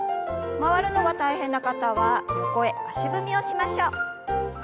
回るのが大変な方は横へ足踏みをしましょう。